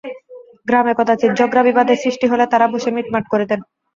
গ্রামে কদাচিৎ ঝগড়া বিবাদের সৃষ্টি হলে তাঁরা বসে মিটমাট করে দেন।